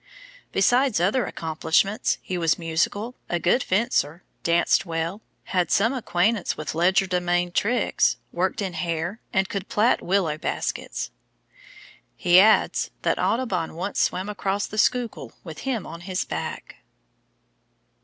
Besides other accomplishments, he was musical, a good fencer, danced well, had some acquaintance with legerdemain tricks, worked in hair, and could plait willow baskets." He adds that Audubon once swam across the Schuylkill with him on his back.